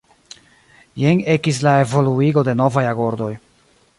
Jen ekis la evoluigo de novaj agordoj.